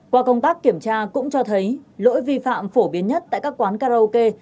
qua công tác kiểm tra cũng cho thấy lỗi vi phạm phổ biến nhất tại các quán karaoke